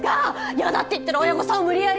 嫌だって言ってる親御さんを無理やり。